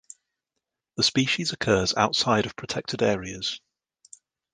The species occurs outside of protected areas.